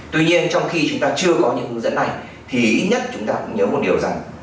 tuy nhiên trong khi chúng ta chưa có những hướng dẫn này thì ít nhất chúng ta cũng nhớ một điều rằng